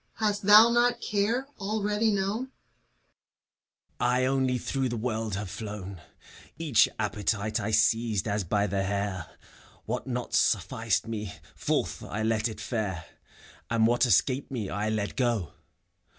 Hast thou not Care already known? ACT F. 237 FAUST. I only tlirongh the world have flown : Each appetite I seized as by the hair; What not suflSced me, forth I let it fare, _And what escaped me, I let go.